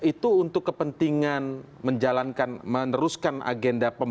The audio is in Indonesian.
iya itu untuk kepentingan menjalankan meneruskan agenda